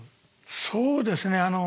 そうですね。